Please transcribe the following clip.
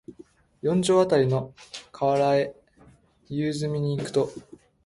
四条あたりの河原へ夕涼みに行くと、